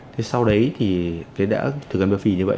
thế sau đấy thì cái đã thừa cân béo phì như vậy